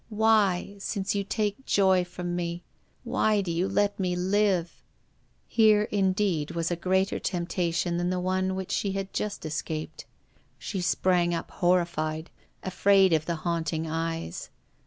Why, since you take joy from me, why do you let me live ?" Here, indeed, was a greater temptation than the one from which she had just escaped. She sprang up, horrified, afraid of the haunting eyes.